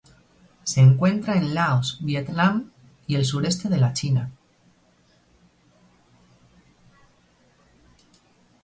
Se encuentra en Laos, Vietnam y el sureste de la China.